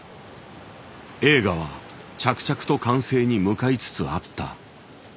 映画は着々と完成に向かいつつあった。